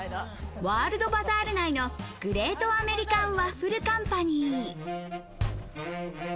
ワールドバザール内のグレートアメリカン・ワッフルカンパニー。